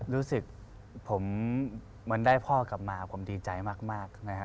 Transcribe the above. รู้สึกผมมันได้พ่อกลับมาผมดีใจมากนะฮะ